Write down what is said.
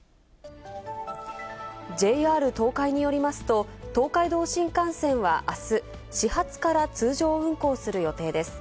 ＪＲ東海によりますと、東海道新幹線はあす、始発から通常運行する予定です。